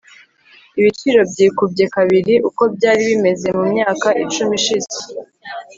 ibiciro byikubye kabiri uko byari bimeze mumyaka icumi ishize